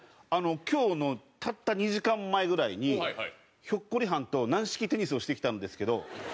今日のたった２時間前ぐらいにひょっこりはんと軟式テニスをしてきたんですけど今日。